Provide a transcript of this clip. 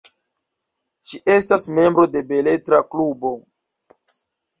Ŝi estas membro de beletra klubo.